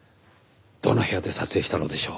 どの部屋で撮影したのでしょう？